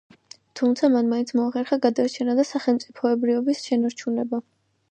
თუმცა მან მაინც მოახერხა გადარჩენა და სახელმწიფოებრიობის შენარჩუნება